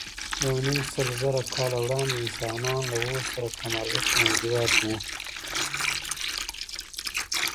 یونیمسلزره کاله وړاندې انسانان له اور سره کم ارزښته موجودات وو.